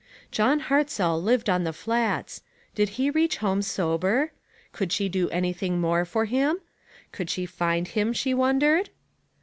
John Hartzell lived on the Flats. Did he reach home sober? Could she do anything more for him? Could she find him, she wondered?